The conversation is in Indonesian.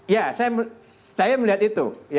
ya saya melihat itu